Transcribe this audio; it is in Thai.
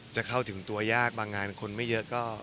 จะเข้าถึงตัวยากบางงานคนไม่เยอะก็